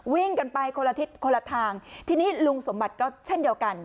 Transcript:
วิ่งกันไปคนละทิศคนละทางทีนี้ลุงสมบัติก็เช่นเดียวกัน